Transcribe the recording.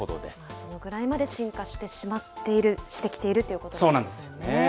そのぐらいまで進化してしまっている、してきているということなんですね。